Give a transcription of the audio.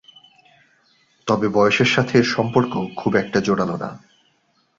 তবে বয়সের সাথে এর সম্পর্ক খুব একটা জোরালো না।